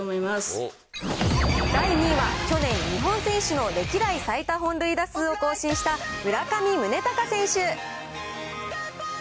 第２位は、去年、日本選手の歴代最多本塁打数を更新した村上宗隆選手。